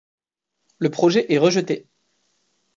Le projet est rejeté.